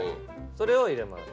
それを入れます。